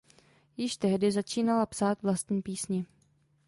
Již tehdy začínala psát vlastní písně.